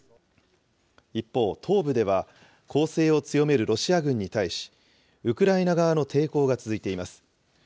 一方、東部では攻勢を強めるロシア軍に対し、ウクライナ側の抵抗が続いています。